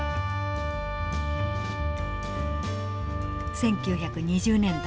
１９２０年代。